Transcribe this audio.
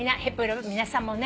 皆さんもね。